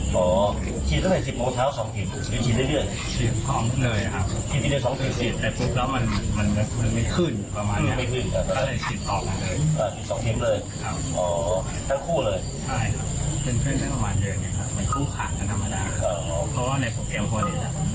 มันคู่ขังกันธรรมดาเพราะว่าในโปรแกรมพวงศาลมันจะนัดเจอกัน